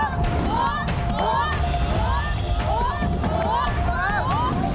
ถูกไหม